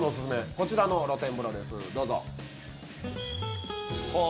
こちらの露天風呂です。